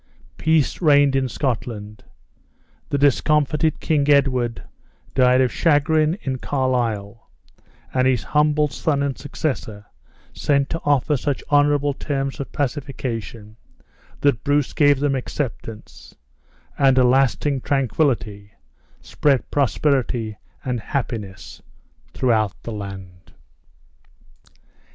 Peace reigned in Scotland. The discomfited King Edward died of chagrin in Carlisle; and his humbled son and successor sent to offer such honorable terms of pacification, that Bruce gave them acceptance, and a lasting tranquility spread prosperity and happiness throughout the land.